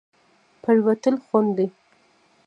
پرېوتل خوند دی.